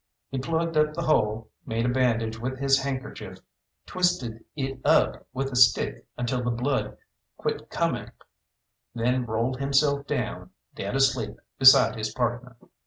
He plugged up the hole, made a bandage with his handkerchief, twisted it up with a stick until the blood quit coming, then rolled himself down, dead asleep beside his partner.